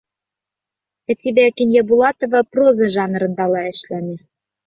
Кәтибә Кинйәбулатова проза жанрында ла эшләне.